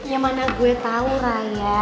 yang mana gue tahu raya